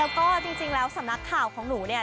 แล้วก็จริงแล้วสำนักข่าวของหนูเนี่ย